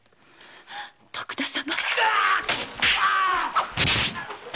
徳田様。